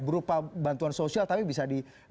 berupa bantuan sosial tapi bisa di